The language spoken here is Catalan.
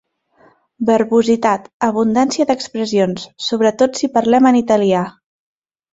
Verbositat, abundància d'expressions, sobretot si parlem en italià.